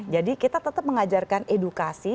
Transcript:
jadi kita tetap mengajarkan edukasi